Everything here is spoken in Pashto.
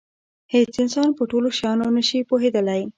هېڅ انسان په ټولو شیانو نه شي پوهېدلی.